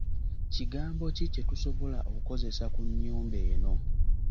Kigambo ki kye tusobola okukozesa ku nnyumba eno?